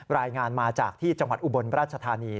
รายงานมาจากที่จังหวัดอุบลราชธานี